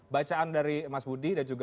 bacaan dari mas budi dan juga